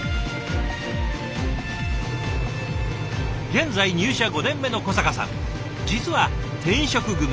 現在入社５年目の小坂さん実は転職組。